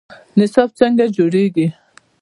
نصاب څنګه جوړیږي؟